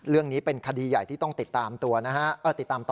เรื่องนี้เป็นคดีใหญ่ที่ต้องติดตามตัวนะฮะ